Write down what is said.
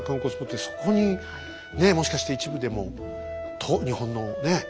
そこにねもしかして一部でも日本のね